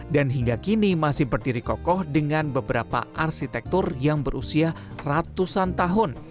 dan hingga kini masih berdiri kokoh dengan beberapa arsitektur yang berusia ratusan tahun